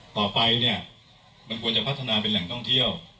ต่อไปเนี่ยมันควรจะพัฒนาเป็นแหล่งท่องเที่ยว